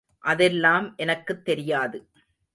அதெல்லாம் எனக்குத் தெரியாது.